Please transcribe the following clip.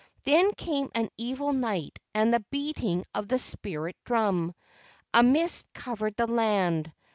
Then came an evil night and the beating of the spirit drum. A mist covered the land.